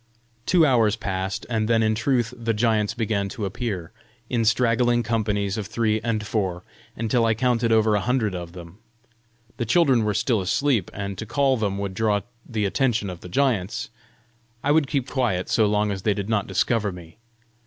Two hours passed, and then in truth the giants began to appear, in straggling companies of three and four, until I counted over a hundred of them. The children were still asleep, and to call them would draw the attention of the giants: I would keep quiet so long as they did not discover me.